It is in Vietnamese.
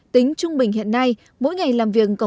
tính trung bình hiện nay mỗi ngày làm việc